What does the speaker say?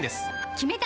決めた！